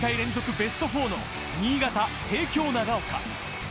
ベスト４の新潟・帝京長岡。